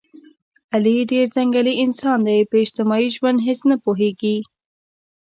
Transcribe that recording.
علي ډېر ځنګلي انسان دی، په اجتماعي ژوند هېڅ نه پوهېږي.